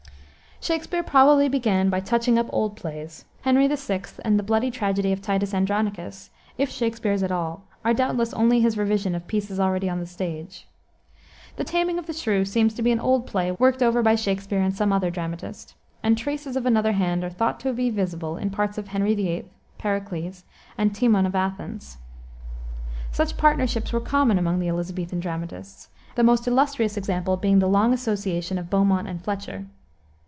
Shakspere probably began by touching up old plays. Henry VI. and the bloody tragedy of Titus Andronicus, if Shakspere's at all, are doubtless only his revision of pieces already on the stage. The Taming of the Shrew seems to be an old play worked over by Shakspere and some other dramatist, and traces of another hand are thought to be visible in parts of Henry VIII., Pericles, and Timon of Athens. Such partnerships were common among the Elisabethan dramatists, the most illustrious example being the long association of Beaumont and Fletcher.